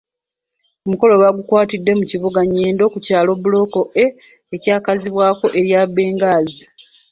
Omukolo baagukwatidde mu kibuga Nyendo ku kyalo Block A ekyakazibwako erya Benghazi.